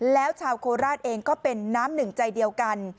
แล้วชาวโคราชเองก็เป็นน้ำหนึ่งใจเดียวกัน